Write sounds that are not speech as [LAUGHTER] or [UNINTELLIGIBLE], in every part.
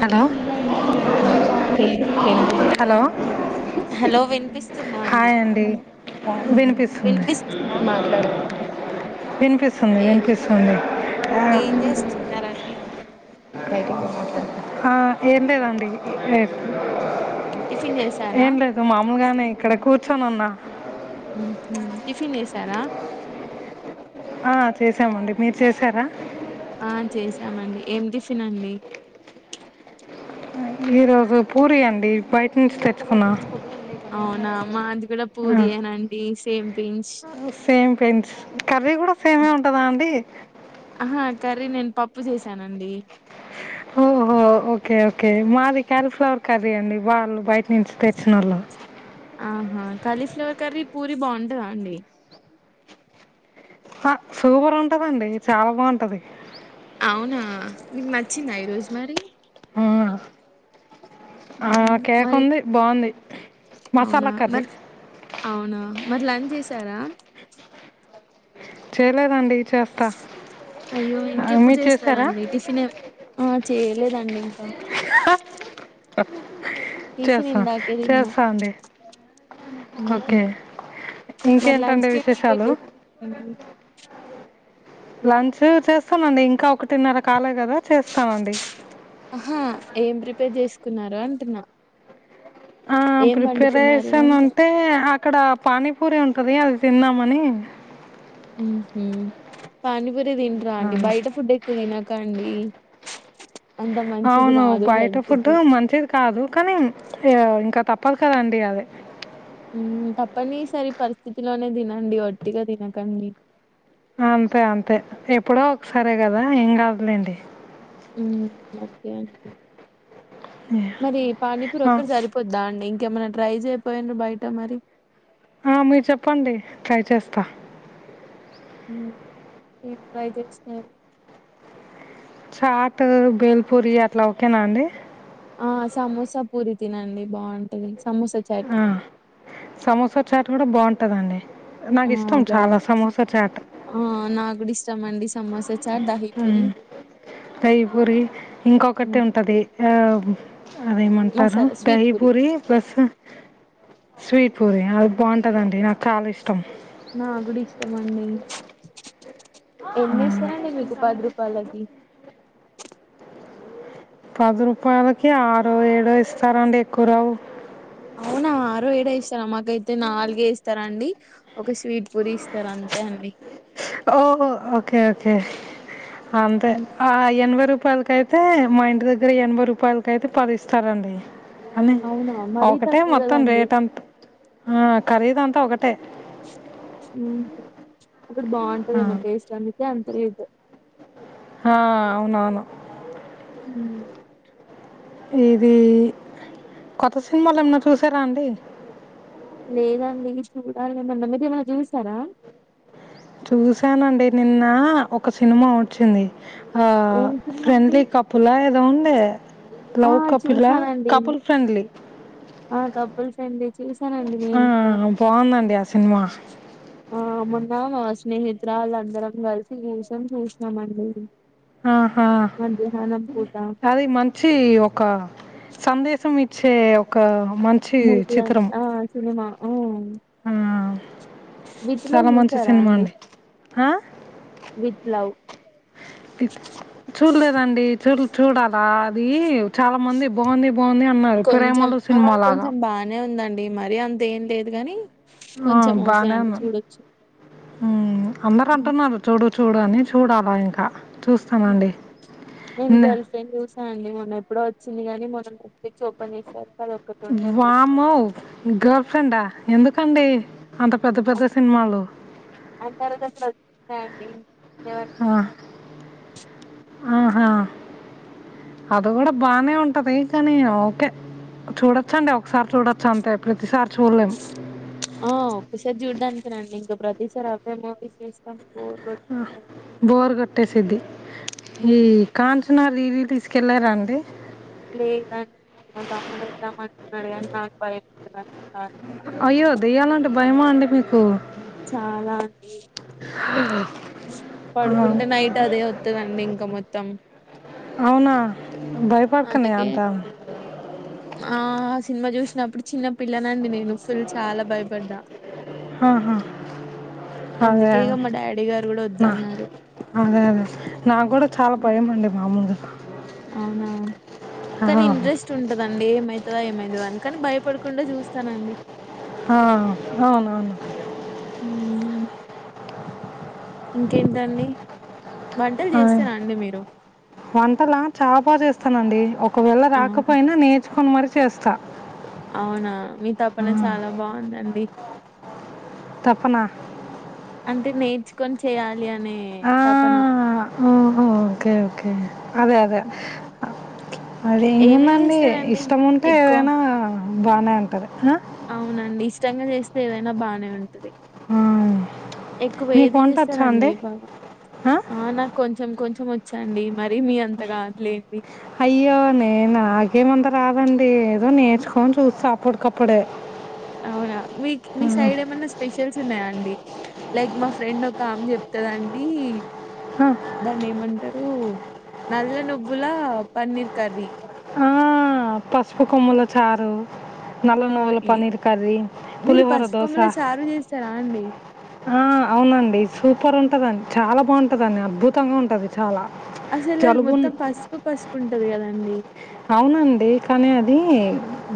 Hello hello hi అండి hello hello వినిపిస్తుందా hi అండి వినిపిస్తుంది వినిపిస్తుందా మాట్లాడు వినిపిస్తుంది ఏ వినిపిస్తుంది ఆ ఏం చేస్తున్నారండి ఆ ఏం లేదండి టిఫిన్ చేసారా అగానే ఇక్కడ కూర్చొని ఉన్నా టిఫిన్ చేశారా ఆ చేసామండి మీరు చేసారా ఆ చేసామండి ఏం టిఫిన్ అండి ఈరోజు పూరిీ అండి బయట నుంచి తెచ్చుకున్నా అవునా మాది కూడా పూరి ఆ, అనండి same pinch same pinch curry కూడా సేమే ఉంటదా అండి ఆహా కర్రీ నేను పప్పు చేశానండి ఓహో ఓకే ఓకే మాది క్యారీఫ్లవర్ కర్రీ అండి వాళ్ళు బయట నుంచి తెచ్చ నల ఆహా కళీఫ్లవర్ కర్రీ పూరి బాగుంటదా అండి ఆ సూపర్ ఉంటదండి చాలా బాగుంటది అవునా నీకు నచ్చిందా ఈ రోజు మరి ఆ ఆ మ్మ్. కేక్ మరి ఉంది బాగుంది అవునా మసాలా కర్రీ మరి అవునా మరి లంచ్ చేసారా చేయలేదండి చేస్తా అయ్యో ఇంకెప్పుడు మీరు చేసారా చేస్తారండి టిఫిన్ ఆ చేయలేదండి ఇంకా టిఫిన్ చేస్తాం ఇందాకే తిన్నా చేస్తా అండి మ్మ్. ఓకే మరి లంచ్ ఇంకేంటండి కి ఏం ప్రిపేర్ విశేషాలు చేశారండి లంచ్ చేస్తానండి ఇంకా ఒకటిన్నర కాలే కదా చేస్తానండి ఆహా ఏం ప్రిపేర్ చేసుకున్నారు అంటున్నా ఆ ఏం వండుకున్నారు ప్రిపరేషన్ అంటు అంటే అక్కడ పానీపూరి ఉం కదే అది తిన్నమని ఉహు పానీపూరి తింటరా ఆ, అండి బయట ఫుడ్ ఎక్కువ తినకండి అంత మంచిది అవును కాదు బయట హెల్త్ ఫుడ్డు కి మంచిది కాదు కానీ ఇక ఇంకా తప్ప పలకదండి ఆమె ఉమ్ తప్పని సరి పరిస్థితిలోనే తినండి వొట్టి గా తినకండి ఆ అంతే అంతే ఎప్పుడో ఒకసారే కదా ఏం కాదులేండి మ్ ఓకే అండి మరి పానీపూరి ఆ ఒక్కటి సరిపోద్దా అండి ఇంకేమైన్నా ట్రై చేయపోయారు బయట మరి ఆ మీరు చెప్పండి ట్రై చేస్తా [UNINTELLIGIBLE] నేను ట్రై చేస్తా చాట్ బేల్పూరి అట్లా ఓకేనా అండి ఆ సమోసా పూరి తినండి బాంటది ఆ సమోసా చాట్ కూడా బాగుంటదండి ఆ నాకి ఇష్టం చాలా బాగుంటది సమోసా చాట్ ఆ ధహి పూరి దహి పూరి ఇంకొకటి ఉంటది ఆ అదేమంటారు మసాలా దై స్వీట్ పూ పూరి ప్లస్సు స్వీట్ పూరి అది బాగుంటదండి నాకు చాలా ఇష్టం ఏమొ అండి ఎన్ని ఇస్తరండి మీకు పది రూపాయలకి పది రూపాయలకి ఆరో ఏడో ఇస్తారండి ఎక్కువ రావు అవునా ఆరో ఏడో ఇస్తారా మాకైతే నాలుగే ఇస్తారండి ఒక స్వీట్ పూరి ఇస్తారు అంతే అండి ఓ ఓకే ఓకే అంతే ఉమ్, ఆ ఎన్వరు రూపాయలకయితే మా ఇంటి దగ్గర ఎనభై రూపాయలక అయితే పదిస్తారండి అని అవునా మరీ ఒకటే తక్కువ మొత్తం కదండి రేట్ అంత ఆ ఖరీద్ అంతా ఒకటే ఊహు అక్కడ ఆ, బాగుంటుందేమో టేస్ట్ అందుకే అంత రేటు హా అవునవును ఉ ఇది కొత్త సినిమాలు ఏమన్నా చూసారా అండి లేదాండి చూడాలి మన్న మీదిమ చూసారా చూసానండి నిన్న ఒక సినిమా వచ్చింది హొ ఏం సినిమా అండి ఫ్రెండ్లీ కపులా ఏదో ఉంది ఆ లవ్ కపిల్లా చూసానండి కపుల్ ఫ్రెండ్లీ ఆ కపుల్స్ అండి చూసానండి నేను కూడ బాగుందండి ఆ సినిమా ఆ మన్నా స్నేహితురాళ్ల అందరం కలిసి [UNINTELLIGIBLE] చూసినామండి ఆహా మధ్యాహ్నం పూట అది మంచి ఒక సందేశం ఇచ్చే ఒక మంచి మూవీ చిత్రం ఆ సినిమా ఓ ఆ విత్ లవ్ చాలా మంచి జూసారా సినిమా అండి ఆ విత్ లవ్ చూడలేదండి చూ చూడాలా అది చాలా మంది బాగుంది బాంది అన్నారు కొంచెం ప్రేమలు ఆ సినిమా లాగా కొంచెం బానే ఉందండి మరి అంత ఏం లేదు గాని ఆ కొంచెం ఓకే బానే అండి ఉంది చూడొచ్చు అందరు హ్మ్. అంటున్నారు చూడొ చూడని చూడాలా ఇంకా హ్మ్. చూస్తానండి నేను న గర్ల్ ఫ్రెండ్ చూసా అండి మనం ఎప్పుడో వచ్చింది గానీ మనం కుప్పచ్చి ఓపెన్ చేసారు అది ఒక్కటి ఉండే మూవీ వామో గర్ల్ ఫ్రెండ్డా ఎందుకండి అంత పెద్ద పెద్ద సినిమాలు యాండి ఆ ఆహా అది కూడా బానే ఉంటది కానీ ఓకే చూడొచ్చండి ఒకసారి చూడొచ్చ అంతే ప్రతిసారి చూడలేం రేప్ చూడ్డానికి రండి ఇంకా ప్రతిసారి అవేమో అండీ చూస్తాం బోర్ ఉ కొట్టేస్తాది బోర్ గొట్టేసిద్ది ఈ కాన్ట్రానరీరీ తీసుకెళ్ళారా అండి లేదాని మా తమ్ముడు ఏదమంటున్నడుగాని నాకు భయపతంది కా అయ్యో దెయ్యాలంటే భయమా అండి మీకు చాలా అండి ఓ పడుకుంటే నైట్ అదే వతదండి ఇంకా మొత్తం అవునా బయపడుతున్నయా అందుకే అంత ఆ ఆ సినిమా చూసినప్పుడు చిన్న పిల్లనండి నేను ఫుల్ చాలా భయపడ్డా ఆహా అదే అందుకే ఇగ మా డాడీ ఇగ నా అదే అదే నా కూడా చాలా భయం అండి మా ముందు అవునా కానీ ఆ, ఇంట్రెస్ట్ ఉంటదండి ఏమవుతదా ఏమవుతదా అని కాని భయపడు కుండా చూస్తానండి ఆ అవునవును ఊ ఇంకేంటండి పంటలు అదే చేస్తరా అండి మీరు వంటలా చా బా చేస్తానండి ఒకవేళ అవును. రాకపోయినా నేర్చుకొని మరి చేస్తా అవునా మీ తపన ఆ. చాలా బాగుందండి తపనా? అంటే నేర్చుకొని చేయాలి అనే ఆ! తపన ఓహో ఓకే ఓకే అదే అదే అదే ఏమేం ఏముందండి చేస్తారండి ఇష్టం ఉంటే ఎక్కువ? ఏదైనా బానే ఉంటది ఆ! అవునండి ఇష్టంగా చేస్తే ఏదైనా బానే ఉం అవును ఎక్కువ ఏది చేస్తారండి బాగా ఆ నాకు కొంచెం కొంచెం వచ్చండి మరి మీ అంత కాదులేండి. అయ్యో నే నాగే మంత రాదండి ఏదో నేర్చుకొని చూస్త అప్పటికప్పుడే అవునా మీక్ మీ హ్మ్. సైడ్ ఏమైన్నా స్పెషల్స్ ఉన్నాయా అండి లైక్ మా ఫ్రెండ్ ఒక ఆమె చెప్తందండి ఆ! దాన్ని ఏమంట రు నల్ల నువ్వుల పన్నీర్ కరీ ఆ పసుపు కొమ్ముల చారు నల్ల ఆ! నువుల ఈ పన్నీర్ కర్రీ మీరు పులిహోర పసు దోశ కొమ్మల చారు చేస్తారా అండి వా అవునండి సూపర్ ఉం ఉంటదండి చాలా బాగుంటదండి అద్భుతంగా ఉంటది చాలా అసలు అది జలుబున్ మొత్తం పసుపు పసుపు ఉంటది కదండి అవునండి కానీ అది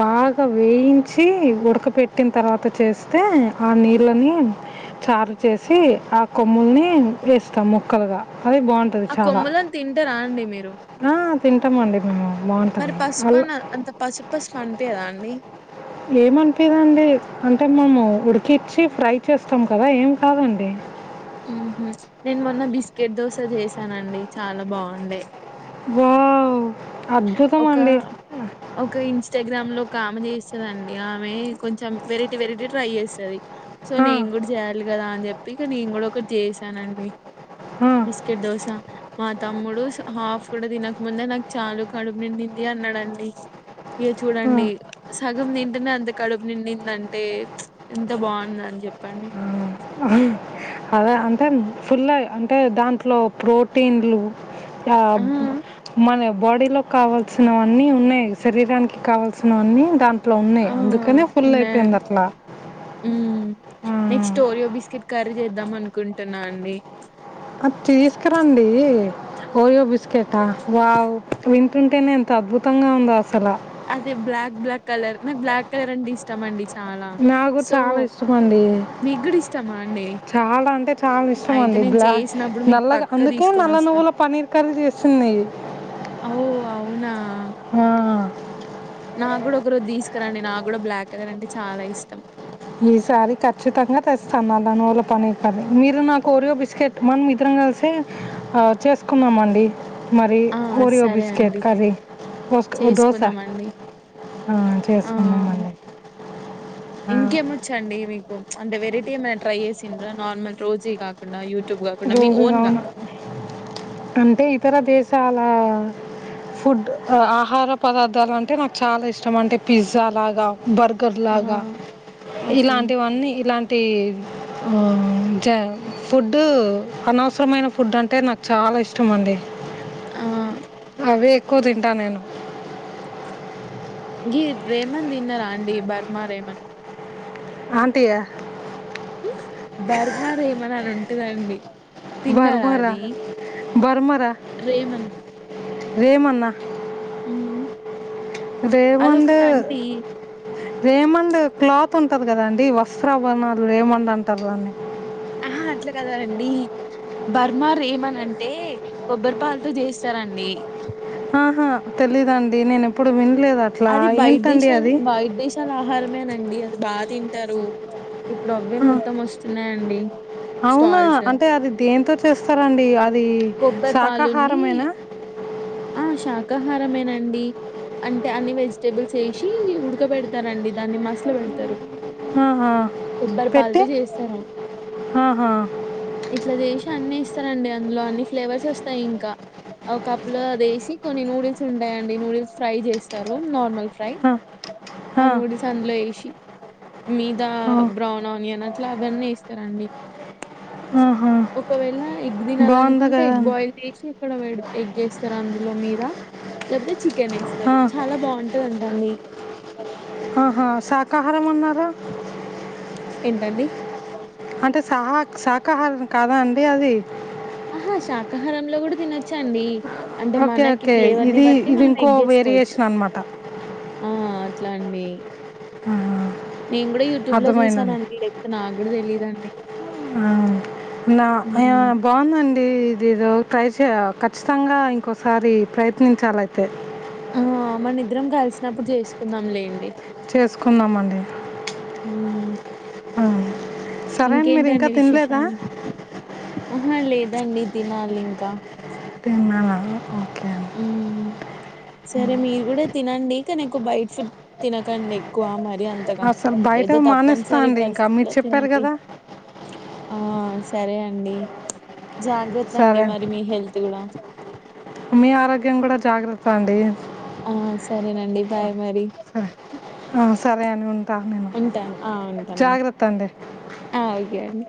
బాగా వేయించి ఉడక పెట్టిన తర్వాత త్త చేస్తే ఆ నీళ్ళని చారు చేసి ఆ కొమ్ముల్ని వేస్తాం ముక్కలుగా అది బాగుంటది ఆ చాలా కొమ్మలను తింటారా అండి మీరు ఆ తింటమండి మేము మరి బావుంటది. పసుపు అల్ అన్నరు అంత పసుపు పసుపు పనిపియదా అండి ఏముంటిదండి అంటే మనము ఉడికించి ఫ్రై చేస్తాం కదా ఏం కాదండి ఉహు నేన్ మొన్న బిస్కెట్ దోశ చేసానండి చాలా బాగుండే వావ్ ఒక అద్భుతమండి ఒక ఇన్స్టాగ్రామ్ లో ఒక ఆమె చేస్ స్తదండి ఆమె కొంచెం వెరైటీ వెరైటీ ట్రై చేస్తది సో ఆ! నేం కూడా చేయాలి కదా అని చెప్పి ఇక నేన్ కూడ ఒకటి చేసానండి ఆ! బిస్కెట్ దోశ మా తమ్ముడు హాఫ్ కూడ తినకముందే నాకు చాలుూ కడుపు నిండింది అన్నాడండి ఇక ఆ! చూడండి సగం తింటేనే అంత కడుపు నిండిందంటే ఎంత బాగుందండి జెప్పండి అదే అంటే ఫుల్ అంటే దాంట్లో ప్రోటీన్లు ఆ [UNINTELLIGIBLE] మనె బాడీ లో కావల్సినవన్నీ ఉన్నాయి శరీరానికి కావల్సినవన్నీ దాన్ ఆ ఉన్నాయండి ఉమ్ next Oreo biscuit curry చేద్దాం అనుకుంటున్నా అండి నాక్ తీసుకురండి ఓరియో బిస్కెటా వావ్ వింటుంటేనే ఎంత అద్భుతంగ ఉందో అసల అదే బ్లాక్ బ్లాక్ కలర్ నాకు బ్లాక్ కలర్ అంటే ఇష్టమండి చాల నాకు కూడా సో చాలా ఇష్టం అండి మీక్ గూడ ఇష్టమా అండి చాలా అంటే చాలా ఇష్టం అయితే అండి నేను బ్లాక్ చేసినప్పుడు మీకు నల్లగా పక్కా అందుకే తీసుకొని నల్ల వస్తా నువ్వుల పన్నీర్ కర్రీ చేస్తుంది ది అవ్ అవున నాక్కూడ ఒకరోజు తీసుకురండి నా కూడ బ్లాక్ కలర్ అంటే చాలా ఇష్టం ఈసారి ఖచ్చితంగ తెస్తాను నా నూవ్వల పన్నిర్ మీరు నాకు ఒరియో బిస్కెట్ మన మిద్దరం కల్సి ఆ చేసుకుందా మండి మరి ఆ ఒరియో సరే బిస్కెట్ అండి కర్రీ [UNINTELLIGIBLE] దోశ చేసుకుందామండి ఆ చేసుకుందా ఆ మండి ఆ వచ్చండి మీకు అంటే వెరైటీ ఏమైనా ట్రై చేసిండ నార్మల్ రోజువి కాకుండా యూ రోజుగాన అంటే ఇతర దేశాల ఫుడ్ ఆహార పదార్థాలు అంటే నాక్ చాలా ఇష్టం అంటే పిజ్జా అలాగ బర్గర్ లాగ ఆహా! ఓకే. ఇలాంటివన్నీ ఇలాంటి జ ఫుడ్ డు అనవసరమైన ఫుడ్ అంటే నాకు చాల ఇష్టమండి ఆ అవే ఎక్కువ తింటా నేను గి రేమన్ దిన్న రాండి బర్మా రేమన్్ ఆంటిగా బర్మర్ ఏమన అని ఉంటుందండి బర్మరా బర్మర రేమన్ రేమన్నా మ్ దేవండు రేమండ్ క్లాత్ ఉంటది కదండి వస్త్రా బణ రేమండ్ అంటార్ దాన్ని ఆహ అట్ల కాదండి బర్మర్ ఏమనంటే కొబ్బరిపాలతో చేస్తారు దండి ఆహ తెలీదండి నేన్ ఎప్పుడు విన్ అది బయట్ దేశాలు బయట్ దేశాల ఆహారమేనండి అది బాగ తింటారు ఇప్పుడవ్వే మొత్తం వస్తున్నాయంండి అవున అంటే అది దేంతో చేస్తారండి అది కొబ్బరి పాలుని శాకాహారమేనా ఆ శాకాహారమేనండి అంటే టె అన్ని వెజిటేబుల్స్ వేసి ఉడకబెడతారండి దాన్ని మసలు పెడతారు ఆహా కొబ్బరి పెట్టి పాల్తో చేస్తారు ఆహా ఇట్ల చేసి అన్ని వేస్తరండి అందులో అన్ని ఫ్లేవర్స్ వస్తాయి ఇంకా ఒక కప్ లో అదేసి కొన్ని నూడిల్స్ ఉంటాయండి నూడిల్స్ ఫ్రై చేస్ స్తారు నార్మల్ ఫ్రై ఆ, ఆ నూడిల్స్ అందులో వేసి మీద ఆ, బ్రౌన్ ఆనియన్ అట్లా అవన్నీ ఎస్తారండి ఆహా ఒకవేళ ఎగ్ బాగుంది తినాలనుకుంటే కదా ఎగ్ బాయిల్ చేసి అక్కడ పెడ్ ఎగ్ వేస్ తారు అందులో మీద లేకపోతే చికెన్ వేస్తారు ఆ. చాలా బాగుంటదంట అండి ఆహా శాకాహారం అన్నారు ఏంటండీ అంటే సహాక్ సాకహారం కాదా అండి అది ఆహా శాకాహారంలో కూడా తినొచ్చండి అంటే ఓకే మనకి ఓకే ఫ్లేవర్ ని ఇది బట్టి ఇది మనం ఇంకో ఎగ్ యేసుకోవొచ్చు వేరియేషన్ అనమాట ఆ ఇట్లండీ ఆ నేను కూడా యూట్యూబ్ లో చూసానండి లేకపోతే నాకు కూడా తెలీదండి ఆ న హ్మ్. బాగుందండీ ఇది ఏదో క్రైస్ కచ్చితంగా ఇంకోసారి ప్రయత్నించాలైతే మన ఇద్దరం కలిసినప్పుడు చేసుకుందాం లేండి చేసుకుందం అండి ఉమ్ ఆ సరే ఇంకేంటి మీరు ఇంకా అండి తినలేదా విశేషాలు ఆహా లేద్ దండి తినాలి ఇంకా తిన్నావా హ్మ్. తినకు బైట్ ఫుడ్ తినకండి ఎక్కువ మ రి అంతగా అసలు బయట ఏదో మానేస్తా తప్పనిసరి అండి ఇంకా మీరు పరిస్థితిలో చెప్పారు తినండి కదా ఆ సరే అండి జాగ్రత్త అండి మరి మీ హెల్త్ కూడా మేము కూడా జాగ్రత్త అండి ఆ సరేనండి బాయ్ మరి సరే సరే అండి ఉంటాను నేను ఉంటాను ఆ ఉంటానండి జాగ్రత్త అండి ఆ ఓకే అండి